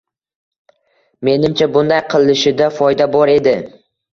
Menimcha, bunday qilinishida foyda bor edi.